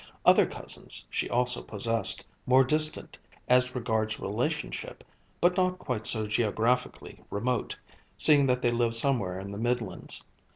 Other cousins she also possessed, more distant as regards relationship, but not quite so geographically remote, seeing that they lived somewhere in the Midlands.